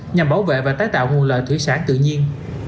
nhằm bảo vệ và tái tạo nguồn lợi thủy sản tự nhiên